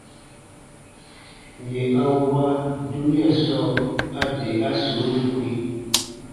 Yè a wa dunia sɔɔ, a de a suuru kpĩ.